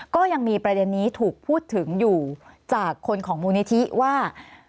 ก็ยังมีประเด็นนี้ถูกพูดถึงอยู่จากคนของมูลนิธิว่า